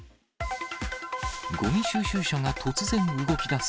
ごみ収集車が突然動きだす。